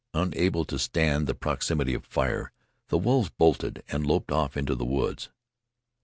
Unable to stand the proximity of fire, the wolves bolted and loped off into the woods.